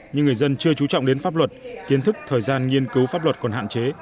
nhưng người dân chưa trú trọng đến pháp luật kiến thức thời gian nghiên cứu pháp luật còn hạn chế